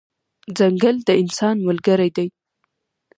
ځنګل د انسان ملګری دی.